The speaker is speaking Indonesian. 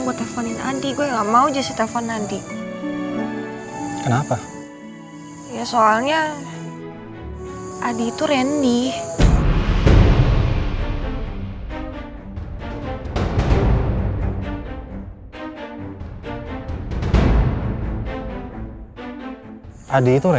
negara rik risik rik rik risik rik rik rik rik risik rik rik rik